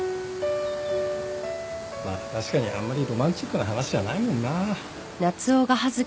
まあ確かにあんまりロマンチックな話じゃないもんな。